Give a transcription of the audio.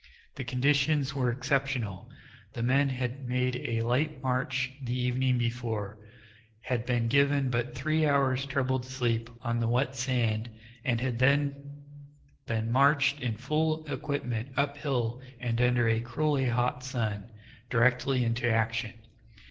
The conditions were exceptional. The men had made a night march the evening before, had been given but three hours' troubled sleep on the wet sand, and had then been marched in full equipment uphill and under a cruelly hot sun, directly into action.